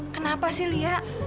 kenapa sih lia